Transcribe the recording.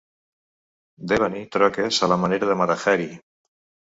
Debani troques a la manera de Mata-Hari.